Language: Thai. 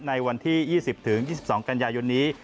ในวันที่๒๐๒๒กันยายนนี้